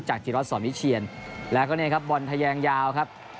จากที่รถสวมนิเชียนแล้วก็เนี่ยครับบอลทะแยงยาวครับ